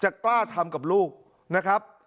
กล้าทำกับลูกนะครับ